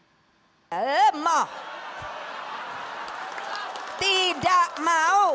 tidak mau tidak mau